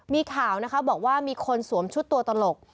มีข่าวนะคะบอกว่ามีคนสวมชุดตัวตลก